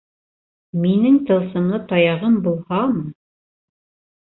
- Минең тылсымлы таяғым булһамы!..